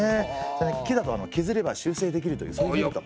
木だとけずれば修正できるというメリット。